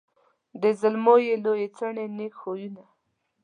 د زلمو یې لويي څوڼي نېک خویونه